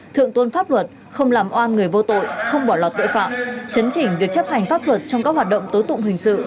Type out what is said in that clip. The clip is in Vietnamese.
thượng tôn pháp luật không làm oan người vô tội không bỏ lọt tội phạm chấn chỉnh việc chấp hành pháp luật trong các hoạt động tối tụng hình sự